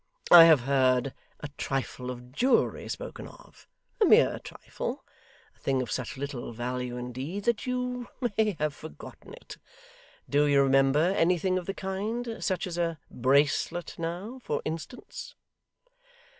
I have heard a trifle of jewellery spoken of a mere trifle a thing of such little value, indeed, that you may have forgotten it. Do you remember anything of the kind such as a bracelet now, for instance?